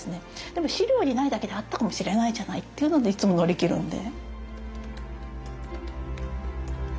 でも資料にないだけであったかもしれないじゃない？っていうのでいつも乗り切るんで。